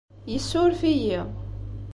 Yessuref-iyi.